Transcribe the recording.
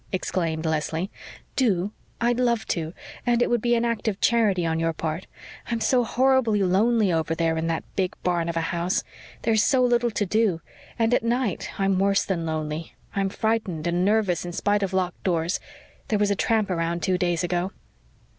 exclaimed Leslie. "Do! I'd love to and it would be an act of charity on your part. I'm so horribly lonely over there in that big barn of a house. There's so little to do and at night I'm worse than lonely I'm frightened and nervous in spite of locked doors. There was a tramp around two days ago."